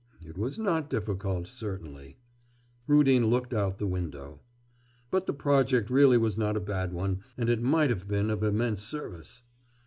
'It was not difficult, certainly.' Rudin looked out of the window. 'But the project really was not a bad one, and it might have been of immense service.